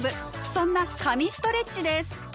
そんな「神ストレッチ」です。